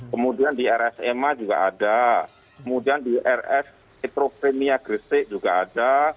kemudian di rs ema juga ada kemudian di rs etrofemia christi juga ada